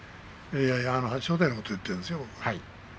正代のことを言っているんですよ。